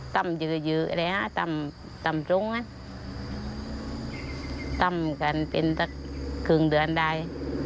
ตำกันเป็นสักครึ่งเดือนได้